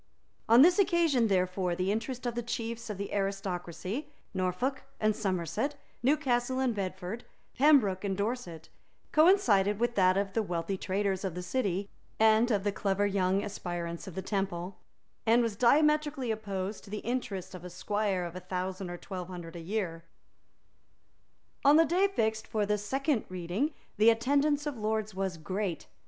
On this occasion therefore the interest of the chiefs of the aristocracy, Norfolk and Somerset, Newcastle and Bedford, Pembroke and Dorset, coincided with that of the wealthy traders of the City and of the clever young aspirants of the Temple, and was diametrically opposed to the interest of a squire of a thousand or twelve hundred a year. On the day fixed for the second reading the attendance of lords was great.